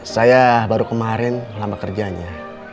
saya baru kemarin lama kerjanya